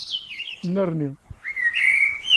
Nnerni.